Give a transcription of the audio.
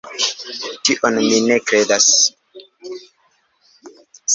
Tion mi ne kredas.